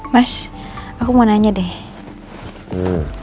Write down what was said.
mas aku mau nanya deh